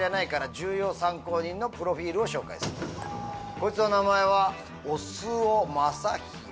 こいつの名前は押尾雅弘。